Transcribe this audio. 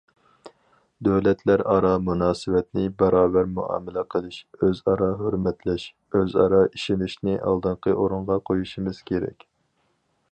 دۆلەتلەر ئارا مۇناسىۋەتتە باراۋەر مۇئامىلە قىلىش، ئۆزئارا ھۆرمەتلەش، ئۆزئارا ئىشىنىشنى ئالدىنقى ئورۇنغا قويۇشىمىز كېرەك.